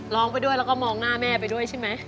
ร้องไปด้วยแล้วก็มองหน้าแม่ไปด้วยใช่ไหม